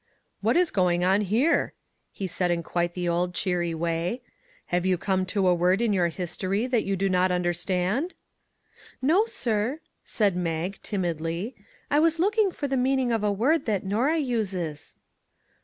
" What is going on here ?" he said in quite the old, cheery way. " Have you come to a word in your history that you do not under stand?" " No, sir," said Mag, timidly; " I was look ing for the meaning of a word that Norah uses."